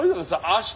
明日。